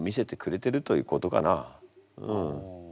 うん。